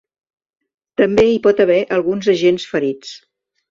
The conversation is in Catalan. També hi pot haver alguns agents ferits.